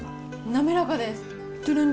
滑らかです。